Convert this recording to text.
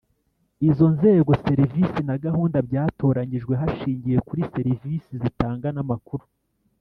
izo nzego, serivisi na gahunda byatoranyijwe hashingiwe kuri serivisi zitanga n’amakuru